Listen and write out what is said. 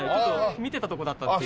見てたとこだったんですよ。